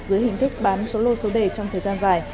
dưới hình thức bán số lô số đề trong thời gian dài